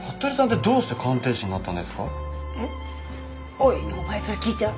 おいお前それ聞いちゃう？